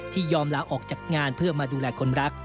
ยอมลาออกจากงานเพื่อมาดูแลคนรัก